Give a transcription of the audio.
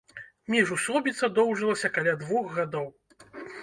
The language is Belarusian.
Міжусобіца доўжылася каля двух гадоў.